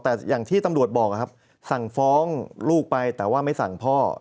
แต่อย่างที่ตำรวจบอกครับสั่งฟ้องลูกไปแต่ว่าไม่สั่งพ่อ